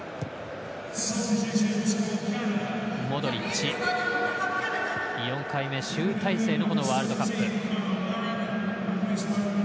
モドリッチ、４回目、集大成のワールドカップ。